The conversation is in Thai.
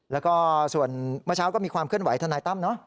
แล้วก็ส่วนเมื่อเช้าก็มีความเคลื่อนไหวทนายตั้มเนอะ